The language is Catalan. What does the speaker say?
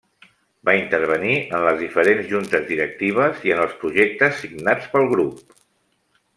Va intervenir en les diferents juntes directives i en els projectes signats pel grup.